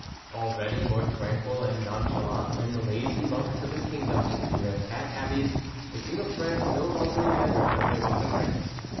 Already, more tranquil and nonchalant than the lazy monks of his kingdom in their fat abbeys, the King of France no longer remembered that there was a France.